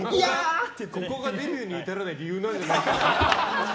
これがデビューに至らない理由なんじゃない？